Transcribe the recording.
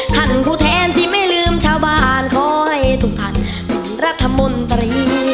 ท่านผู้แทนที่ไม่ลืมชาวบ้านขอให้สุขันต์เหมือนรัฐมนตรี